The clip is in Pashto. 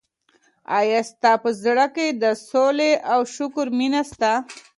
ایا ستا په زړه کي د سولي او شکر مینه سته؟